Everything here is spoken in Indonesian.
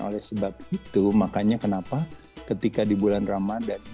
oleh sebab itu makanya kenapa ketika di bulan ramadan